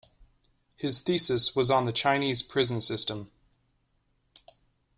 His thesis was on the Chinese prison system.